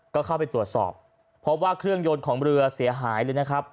ก็เข้าไปตรวจสอบพบว่าเครื่องยนต์ของเรือเสียหายเลยนะครับ